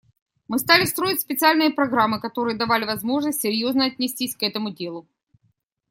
Мы стали строить специальные программы, которые давали возможность серьезно отнестись к этому делу.